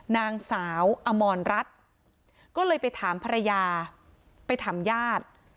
นางสาวอมรรัฐก็เลยไปถามภรรยาไปถามญาติ